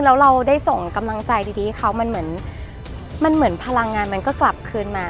แล้วเราได้ส่งกำลังใจดีให้เขามันเหมือนพลังงานก็กลับคืนมา